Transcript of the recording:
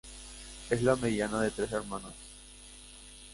Es la mediana de tres hermanas.